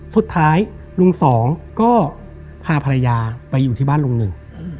สุดท้ายลุงสองก็พาภรรยาไปอยู่ที่บ้านลุงหนึ่ง